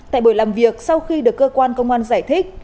tại buổi làm việc sau khi được cơ quan công an giải thích